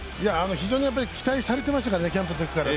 非常に期待されてましたからねキャンプのときから。